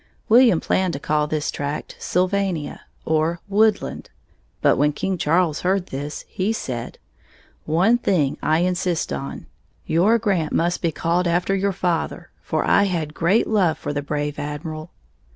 William planned to call this tract Sylvania, or Woodland, but when King Charles heard this, he said: "One thing I insist on. Your grant must be called after your father, for I had great love for the brave Admiral."